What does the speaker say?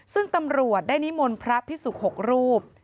ซึ่งตำรวจได้นิมนต์พระพิสุก๖รูป